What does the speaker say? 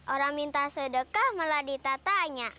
orang minta sedekah malah ditatanya